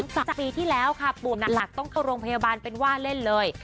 จากปีที่แล้วค่ะปุ่มหลักต้องเข้าโรงพยาบาลเป็นว่าเล่นเลย